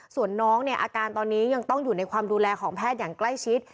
ส่วนน้องเนี่ยอาการตอนนี้ยังต้องอยู่ในความดูแลของแพทย์อย่างใกล้ชิด